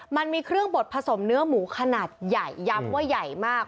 มันมีเครื่องบดผสมเนื้อหมูขนาดใหญ่ย้ำว่าใหญ่มาก